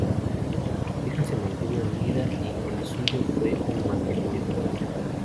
La pareja se mantuvo unida, y el suyo fue un matrimonio feliz.